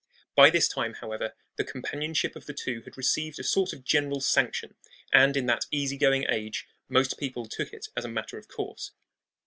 By this time, however, the companionship of the two had received a sort of general sanction, and in that easy going age most people took it as a matter of course.